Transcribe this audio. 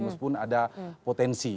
meskipun ada potensi